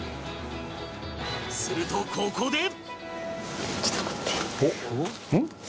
するとここで